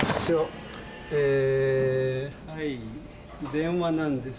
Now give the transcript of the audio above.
電話なんです。